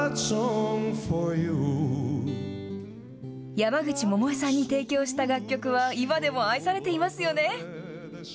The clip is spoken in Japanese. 山口百恵さんに提供した楽曲は今でも愛されていますよね。